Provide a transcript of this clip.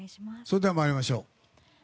それでは参りましょう。